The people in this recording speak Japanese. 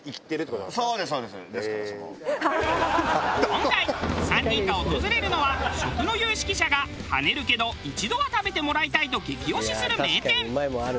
今回３人が訪れるのは食の有識者がハネるけど一度は食べてもらいたいと激推しする名店。